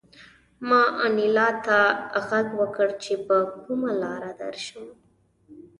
ما انیلا ته غږ وکړ چې په کومه لاره درشم